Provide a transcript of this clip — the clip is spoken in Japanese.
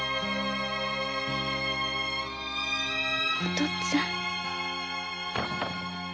お父っつぁん。